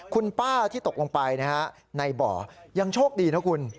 คุณป้าที่ตกลงไปในบ่อน้ำยังโชคดีนะคุณ